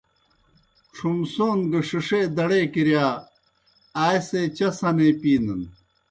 ڇُھمسون گہ ݜِݜے دَڑے کِرِیا آ سے چاء سنے پِینَن۔